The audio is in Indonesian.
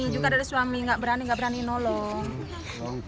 juga dari suami nggak berani nggak berani nolong